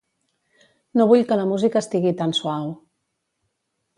No vull que la música estigui tan suau.